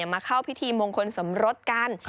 มาเข้าพิธีมงคลสมรสกัน